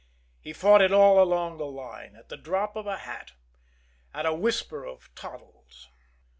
He fought it all along the line at the drop of the hat at a whisper of "Toddles."